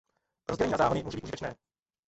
Rozdělení na záhony může být užitečné.